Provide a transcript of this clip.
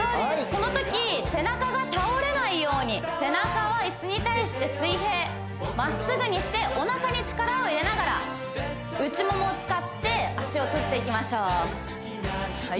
このとき背中が倒れないように背中は椅子に対して水平まっすぐにしておなかに力を入れながらできる人でいいですよ